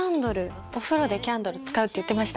お風呂でキャンドル使うって言ってました。